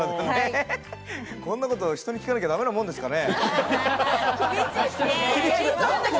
こんなこと人に聞かなきゃダメなもんですかね。